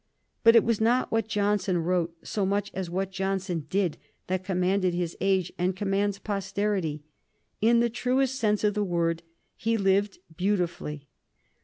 But it was not what Johnson wrote so much as what Johnson did that commanded his age and commands posterity. In the truest sense of the word, he lived beautifully.